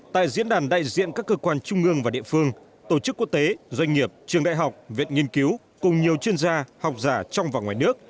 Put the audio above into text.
tại diễn đàn đại diện các cơ quan trung ương và địa phương tổ chức quốc tế doanh nghiệp trường đại học viện nghiên cứu cùng nhiều chuyên gia học giả trong và ngoài nước